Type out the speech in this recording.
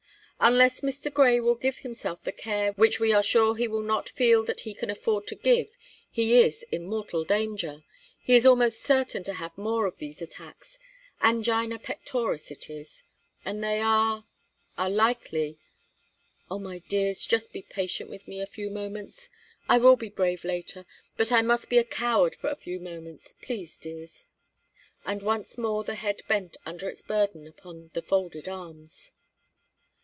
"Unless Mr. Grey will give himself the care which we are sure he will not feel that he can afford to give, he is in mortal danger; he is almost certain to have more of these attacks angina pectoris, it is and they are are likely Oh, my dears, just be patient with me a few moments! I will be brave later, but I must be a coward for a few moments, please dears!" And once more the head bent under its burden upon the folded arms.